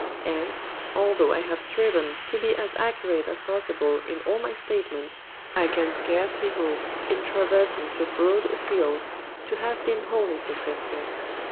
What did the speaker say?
And, although I have striven to be as accurate as possible in all my statements, I can scarcely hope, in traversing so broad a field, to have been wholly successful.